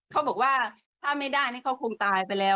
เขาบอกว่าถ้าไม่ได้นี่เขาคงตายไปแล้ว